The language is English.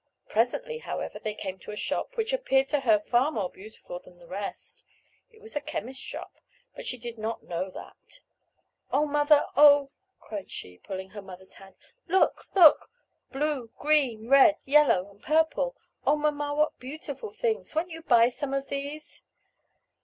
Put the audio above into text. Presently, however, they came to a shop, which appeared to her far more beautiful than the rest. It was a chemist's shop, but she did not know that. "Oh, mother, oh!" cried she, pulling her mother's hand, "look, look! blue, green, red, yellow, and purple! Oh, mamma, what beautiful things! Won't you buy some of these?"